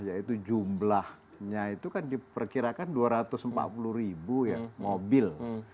yaitu jumlahnya itu kan diperkirakan dua ratus empat puluh ribu ya mobil